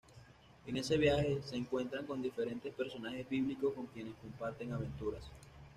En ese viaje, se encuentran con diferentes personajes bíblicos con quienes comparten aventuras.